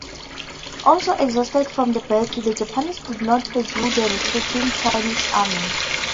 Also exhausted from the battle, the Japanese did not pursue the retreating Chinese army.